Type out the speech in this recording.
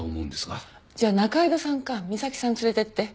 じゃあ仲井戸さんか三崎さん連れていって。